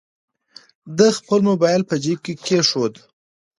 ده خپل موبایل په جیب کې کېښود.